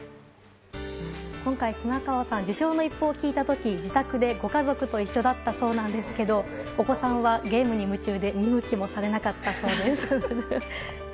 今回、砂川さん受賞の一報を聞いた時自宅でご家族と一緒だったそうなんですけどお子さんはゲームに夢中で見向きもされなかったそうです。